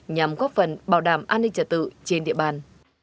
nhằm góp phần bảo đảm an ninh trật tự trên địa bàn